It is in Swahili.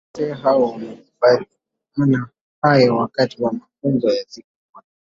Wazee hao wamekubaliana hayo wakati wa mafunzo ya siku moja